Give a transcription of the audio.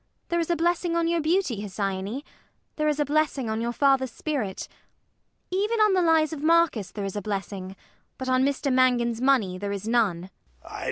There is a blessing on your beauty, Hesione. There is a blessing on your father's spirit. Even on the lies of Marcus there is a blessing; but on Mr Mangan's money there is none.